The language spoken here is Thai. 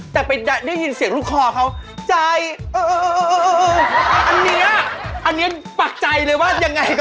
แต่ไปได้ยินเสียงลูกคอเขานะ